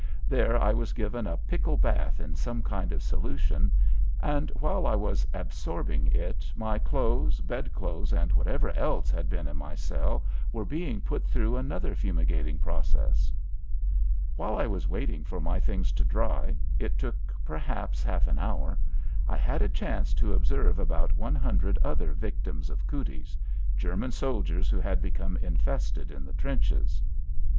There I was given a pickle bath in some kind of solution, and while I was absorbing it my clothes, bedclothes, and whatever else had been in my cell were being put through another fumigating process. While I was waiting for my things to dry it took, perhaps, half an hour I had a chance to observe about one hundred other victims of "cooties" German soldiers who had become infested in the trenches.